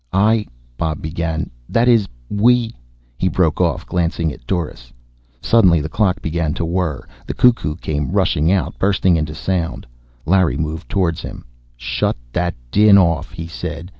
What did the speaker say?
"I " Bob began. "That is, we " He broke off, glancing at Doris. Suddenly the clock began to whirr. The cuckoo came rushing out, bursting into sound. Larry moved toward him. "Shut that din off," he said.